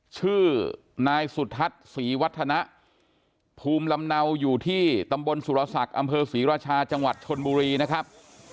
ชื่อนายสุทัศน์ศรีวัฒนะภูมิลำเนาอยู่ที่ตำบลสุรศักดิ์อำเภอศรีราชาจังหวัดชนบุรีนะครับ